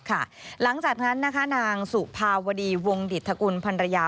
หลังจากนั้นนะคะนางสุภาวดีวงดิตทกุลพันรยา